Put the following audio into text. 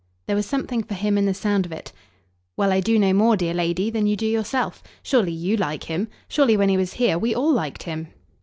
There was something for him in the sound of it. "Well, I do no more, dear lady, than you do yourself. Surely YOU like him. Surely, when he was here, we all liked him."